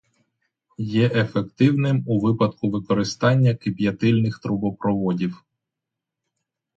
Є ефективним у випадку використання кип'ятильних трубопроводів.